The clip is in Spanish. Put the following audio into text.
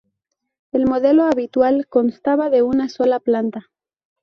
El modelo habitual constaba de una sola planta.